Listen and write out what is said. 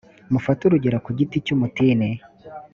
mufate urugero ku giti cy umutini